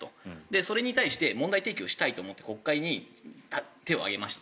それに対して問題提起をしたいと思って国会に手を挙げましたと。